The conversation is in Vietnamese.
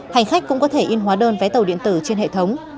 hành khách cũng có thể in hóa đơn vé tàu điện tử trên hệ thống